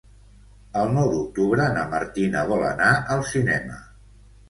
El nou d'octubre na Martina vol anar al cinema.